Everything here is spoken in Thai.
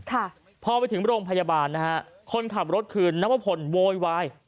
ค่ะพอไปถึงโรงพยาบาลนะฮะคนขับรถคือนวพลโวยวาย